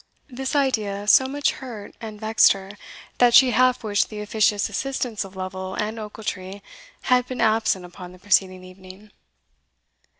This idea so much hurt and vexed her, that she half wished the officious assistance of Lovel and Ochiltree had been absent upon the preceding evening.